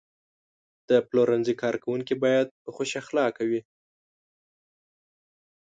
د پلورنځي کارکوونکي باید خوش اخلاقه وي.